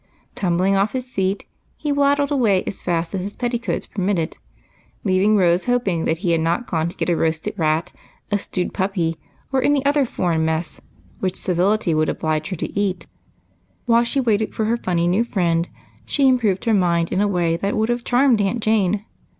Tum bling off his seat, he waddled away as fast as his petti coats permitted, leaving Rose hoping that he had not gone to get a roasted rat, a stewed puppy, or any other foreign mess which civility would oblige, her to eat. While she waited for her funny new friend, she improved her mind in a way that would have charmed Aunt Jane.